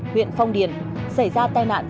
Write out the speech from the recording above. huyện phong điển xảy ra tai nạn